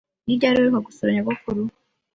Ni ryari uheruka gusura nyogokuru?